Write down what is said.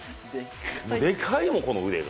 でかいもん、この腕が。